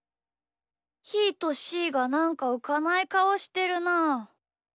ひーとしーがなんかうかないかおしてるなあ。